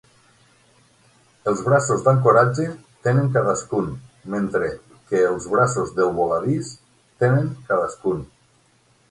El braços d'ancoratge tenen cadascun, mentre que els braços del voladís tenen cadascun.